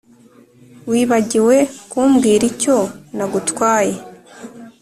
wibagiwe kumbwira icyo nagutwaye?